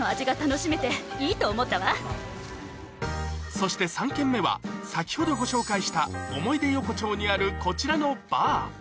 そして３軒目は先ほどご紹介した思い出横丁にあるこちらのバー